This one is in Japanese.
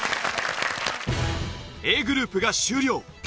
Ａグループが終了。